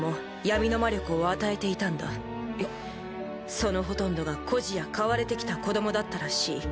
そのほとんどが孤児や買われてきた子どもだったらしい。